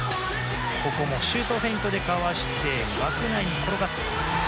ここもシュートフェイントでかわして枠内に転がす。